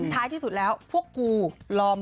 ท้ายที่สุดแล้วพวกกูลอม